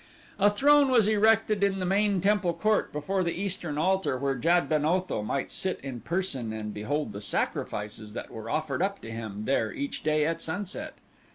A throne was erected in the main temple court before the eastern altar where Jad ben Otho might sit in person and behold the sacrifices that were offered up to him there each day at sunset.